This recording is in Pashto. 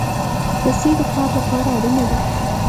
رسۍ د کار لپاره اړینه ده.